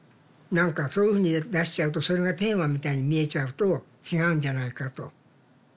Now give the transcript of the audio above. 何かそういうふうに出しちゃうとそれがテーマみたいに見えちゃうと違うんじゃないかと。